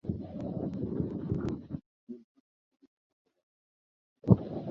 Quan passa l'autobús per Tortellà?